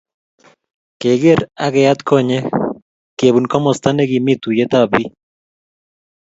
Keker akeyat konyek, kebun komasta nekimii tuiyet ab biik